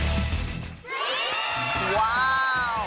คุณอโนไทจูจังกับผู้ที่ได้รับรางวัลครับ